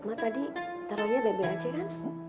mak tadi taronya bebek aja kan